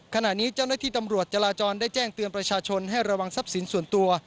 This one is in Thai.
ขณะนี้เจ้าหน้าที่ตำรวจจราจรได้แจ้งเตือนประชาชนให้ระวังทรัพย์สินส่วนตัว